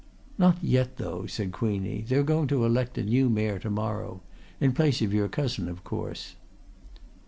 "Not yet, though," said Queenie. "They're going to elect a new Mayor to morrow. In place of your cousin of course."